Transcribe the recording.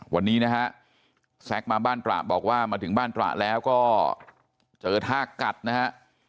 วันนี้นะฮะแซ็กมาบ้านตระบอกว่ามาถึงบ้านตระแล้วก็เจอท่ากัดนะฮะ